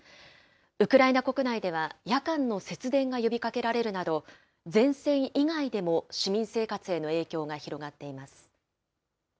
ウクライナ国内では、夜間の節電が呼びかけられるなど、前線以外でも市民生活への影響が広がっています。